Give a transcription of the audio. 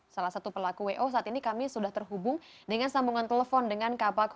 salah satu pelaku wo saat ini kami sudah terhubung dengan sambungan telepon dengan kepala